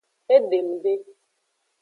Edem de.